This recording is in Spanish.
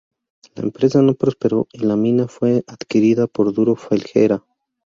La empresa no prosperó y la mina fue adquirida por Duro Felguera.